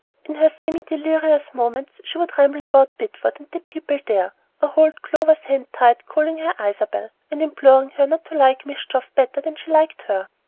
In her semi delirious moments she would ramble about Bideford and the people there, or hold Clover's hand tight, calling her "Isabel," and imploring her not to like "Mrs. Geoff" better than she liked her.